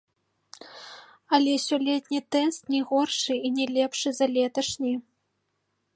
Але сёлетні тэст не горшы і не лепшы за леташні!